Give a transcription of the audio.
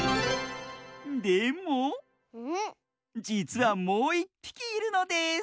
でもじつはもういっぴきいるのです！